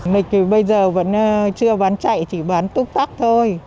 lịch thì bây giờ vẫn chưa bán chạy chỉ bán túc tắc thôi